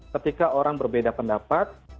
ketika orang berbeda pendapat